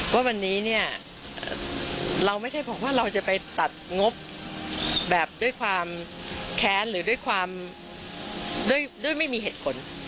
ว่าวันนี้เนี่ยเราไม่ได้บอกว่าเราจะไปตัดงบแบบด้วยความแค้นหรือด้วยความด้วยไม่มีเหตุผล